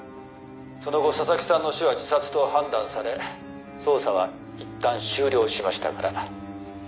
「その後佐々木さんの死は自殺と判断され捜査はいったん終了しましたから」